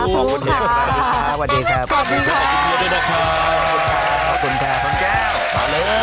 สวัสดีครับ